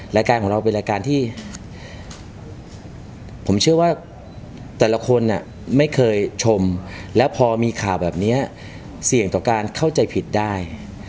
รายการของเราเป็นรายการที่ผมเชื่อว่าแต่ละคนไม่เคยชมแล้วพอมีข่าวแบบนี้เสี่ยงต่อการเข้าใจผิดได้